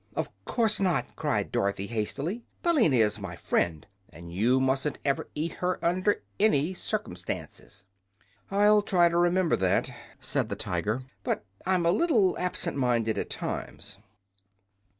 "Of course not," cried Dorothy, hastily. "Billina is my friend, and you mustn't ever eat her under any circ'mstances." "I'll try to remember that," said the Tiger; "but I'm a little absent minded, at times."